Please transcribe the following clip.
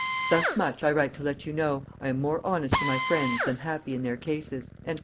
Thus much I write to let you know, I am more honest to my friends than happy in their cases." &c.